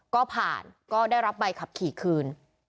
ก็ผ่านก็ได้รับใบขับขี่คืน